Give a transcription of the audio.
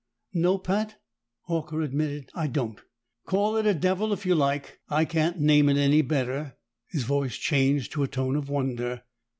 "No, Pat," Horker admitted. "I don't. Call it a devil if you like; I can't name it any better." His voice changed to a tone of wonder.